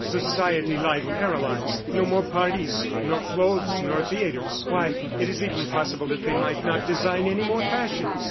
Society life paralyzed. No more parties, nor clothes, nor theatres! Why, it is even possible that they might not design any more fashions!